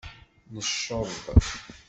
Necceḍ.